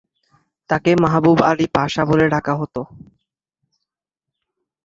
তাকে "মাহবুব আলি পাশা" বলে ডাকা হত।